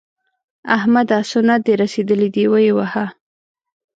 احمده! سنت دې رسېدلي دي؛ ویې وهه.